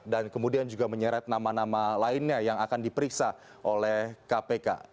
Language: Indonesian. dan kemudian juga menyeret nama nama lainnya yang akan diperiksa oleh kpk